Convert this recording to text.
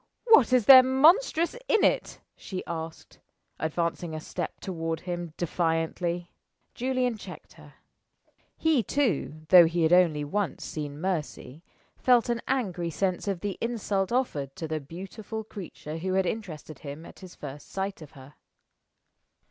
"What is there monstrous in it?" she asked, advancing a step toward him, defiantly. Julian checked her. He too though he had only once seen Mercy felt an angry sense of the insult offered to the beautiful creature who had interested him at his first sight of her.